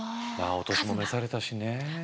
お年も召されたしね。